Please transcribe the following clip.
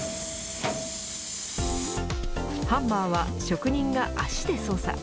ハンマーは、職人が足で操作。